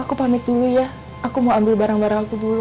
aku panik dulu ya aku mau ambil barang barang aku dulu